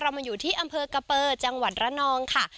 มาอยู่ที่อำเภอกะเปอร์จังหวัดระนองค่ะ